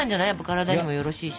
体にもよろしいし。